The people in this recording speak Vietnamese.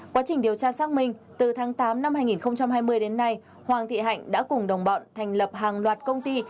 quá trình điều tra xác minh từ tháng tám năm hai nghìn hai mươi đến nay hoàng thị hạnh đã cùng đồng bọn thành lập hàng loạt công ty